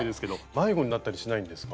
迷子になったりしないんですか？